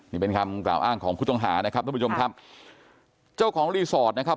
นี่เป็นคำกล่าวอ้างของผู้ต้องหานะครับท่านผู้ชมครับเจ้าของรีสอร์ทนะครับ